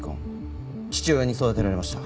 父親に育てられました。